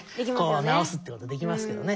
こう直すってことできますけどね。